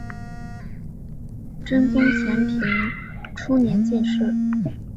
真宗咸平初年进士。